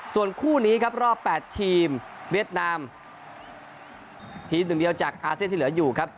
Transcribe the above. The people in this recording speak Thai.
ส่วนคู่นี้ครับรอบ๘ทีมเวียดนามทีมหนึ่งเดียวจากอาเซียนที่เหลืออยู่ครับ